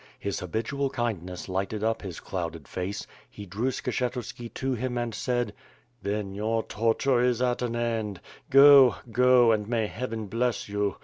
His habitual kindness lighted up his clouded face; he drew Skshetuski to him and said: "Then your torture is at an end. Go; go and may Heaven bless you.